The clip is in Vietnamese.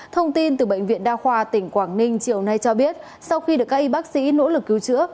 thông tin từ bệnh viện đa khoa tỉnh quảng ninh chiều nay cho biết sau khi được các y bác sĩ nỗ lực cứu chữa